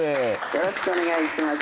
よろしくお願いします